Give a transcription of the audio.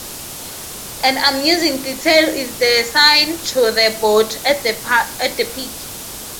An amusing detail is the sign "to the boat" at the peak.